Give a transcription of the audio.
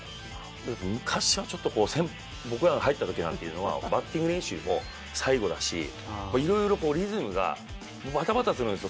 昔は僕らが入ったときなんかっていうのはバッティング練習も最後だしいろいろリズムがバタバタするんですよ。